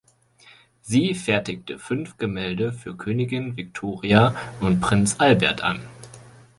Sie fertigte fünf Gemälde für Königin Victoria und Prinz Albert an.